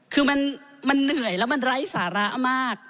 คือมันเหนื่อยแล้วมันไร้สาระมาก